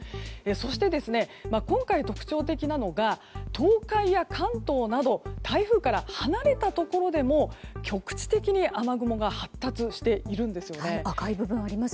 そして今回、特徴的なのが東海や関東など台風から離れたところでも局地的に雨雲が発達しているんですよね。